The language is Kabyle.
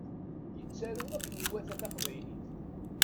Yettaru akken iwata taqbaylit